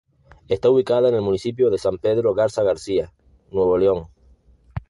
Está ubicada en el municipio de San Pedro Garza García, Nuevo León.